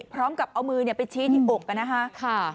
พร้อมกับเอามือไปชี้ที่อกนะคะ